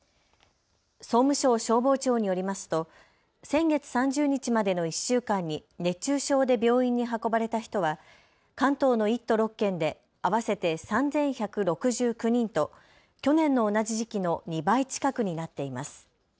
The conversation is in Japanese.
総務省消防庁によりますと先月３０日までの１週間に熱中症で病院に運ばれた人は関東の１都６県で合わせて３１６９人と去年の同じ時期の２倍近くになっています。